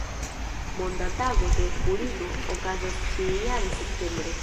Monda Tago de Purigo okazas ĉiujare septembre.